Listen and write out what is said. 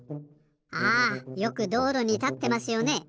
あよくどうろにたってますよね。